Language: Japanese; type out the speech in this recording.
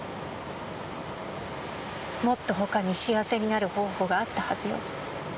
もっと他に幸せになる方法があったはずよ。